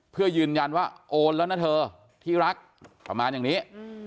เพื่อยืนยันว่าโอนแล้วนะเธอที่รักประมาณอย่างนี้